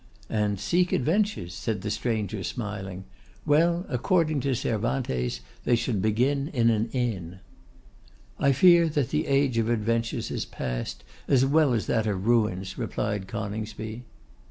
'And seek adventures,' said the stranger, smiling, 'Well, according to Cervantes, they should begin in an inn.' 'I fear that the age of adventures is past, as well as that of ruins,' replied Coningsby.